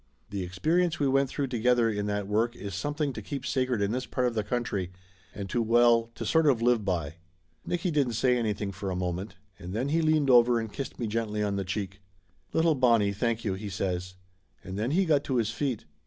The experience we went through together in that work is something to keep sacred in this part of the country, and to well, to sort of live by !" Nicky didn't say anything for a moment. And then he leaned over and kissed me gently on the cheek. "Little Bonnie, thank you !" he says. And then he got to his feet.